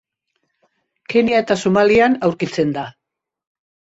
Kenia eta Somalian aurkitzen da.